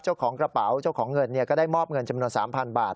เจ้าของกระเป๋าเจ้าของเงินก็ได้มอบเงินจำนวน๓๐๐บาท